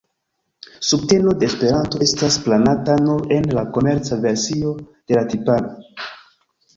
Subteno de Esperanto estas planata nur en la komerca versio de la tiparo.